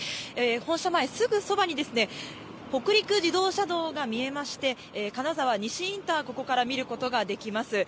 本社前、すぐそばにですね、北陸自動車道が見えまして、金沢西インター、ここから見ることができます。